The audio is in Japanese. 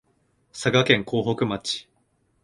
佐賀県江北町